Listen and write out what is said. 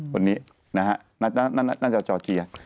คนนี้น่าจะจอเจีย